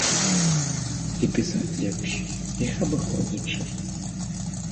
І пісаць лепш, іх абыходзячы.